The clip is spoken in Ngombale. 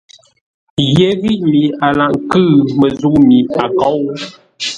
Yé ghíʼ mi a laghʼ ńkʉ̂ʉ məzə̂u mi a kôu.